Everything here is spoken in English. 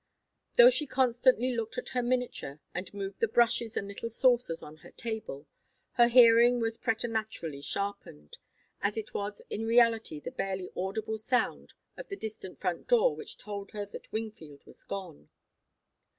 Though she constantly looked at her miniature, and moved the brushes and little saucers on the table, her hearing was preternaturally sharpened, as it was in reality the barely audible sound of the distant front door which told her that Wingfield was gone.